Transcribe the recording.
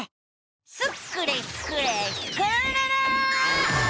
スクれスクれスクるるる！